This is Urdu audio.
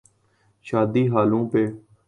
شادی ہالوں پہ۔